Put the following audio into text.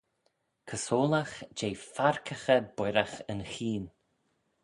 Cosoylagh jeh faarkaghey boiragh yn cheayn.